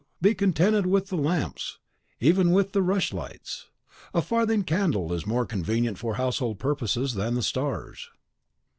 be contented with the lamps, even with the rush lights. A farthing candle is more convenient for household purposes than the stars.